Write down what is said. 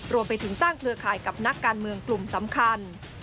รวมไปถึงสร้างเครือข่ายกับนักการเมืองกลุ่มสำคัญ